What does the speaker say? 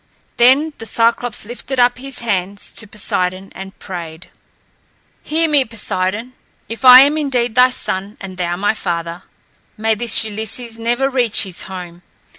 Then Cyclops lifted up his hands to Poseidon and prayed: "Hear me, Poseidon, if I am indeed thy son and thou my father. May this Ulysses never reach his home!